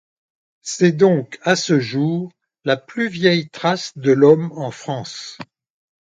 C'est donc à ce jour la plus vieille trace de l'homme en France.